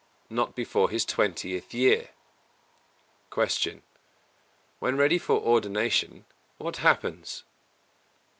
Not before his twentieth year. 265. Q. When ready for ordination what happens?